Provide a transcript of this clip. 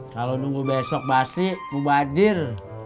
kalau nunggu besok basi mau bajir